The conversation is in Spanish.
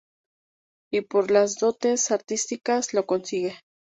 Y por las dotes artísticas, lo consigue.